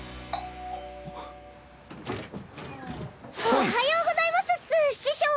おはようございますっス師匠！